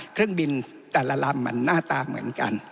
เครื่องบินแต่ละลำมันหน้าตาเหมือนกัน